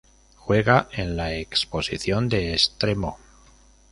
Juega en la posición de extremo.